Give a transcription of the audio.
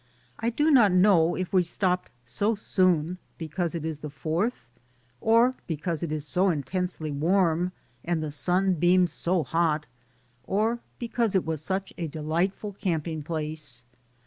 I do not know if we stopped so soon, because it is the Fourth, or because it is so intensely warm, and the sun beams so hot, or because it was such a delightful camp ing place.